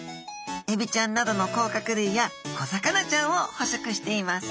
エビちゃんなどの甲殻類や小魚ちゃんを捕食しています